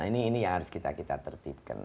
nah ini yang harus kita tertipkan